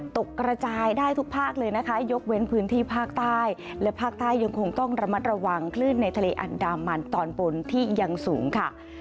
กระจายได้ทุกภาคเลยนะคะยกเว้นพื้นที่ภาคใต้และภาคใต้ยังคงต้องระมัดระวังคลื่นในทะเลอันดามันตอนบนที่ยังสูงค่ะ